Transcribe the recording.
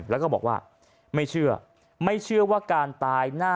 แล้วก็บอกว่าไม่เชื่อไม่เชื่อว่าการตายหน้า